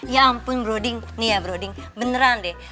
ya ampun boroding nih ya boroding beneran deh